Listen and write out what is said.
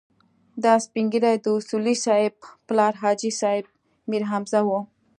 دا سپين ږيری د اصولي صیب پلار حاجي صیب میرحمزه و.